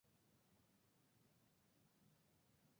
এরপর থেমিস্টো সমস্ত কালো পোশাক পরিহিত শিশুদের হত্যা করতে অগ্রসর হন।